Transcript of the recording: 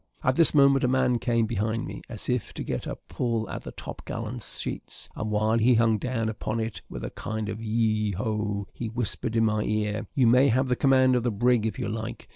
At this moment, a man came behind me, as if to get a pull at the top gallant sheets; and while he hung down upon it with a kind of "yeo ho," he whispered in my ear "You may have the command of the brig if you like.